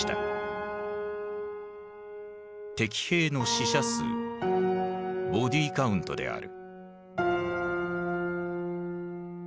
敵兵の死者数「ボディカウント」である。